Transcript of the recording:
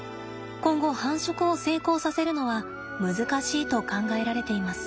今後繁殖を成功させるのは難しいと考えられています。